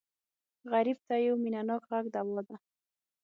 غریب ته یو مینهناک غږ دوا ده